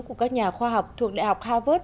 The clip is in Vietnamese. của các nhà khoa học thuộc đại học harvard